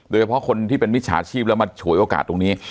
โดยเฉพาะคนที่เป็นมิจฉาชีพแล้วมาฉวยโอกาสตรงนี้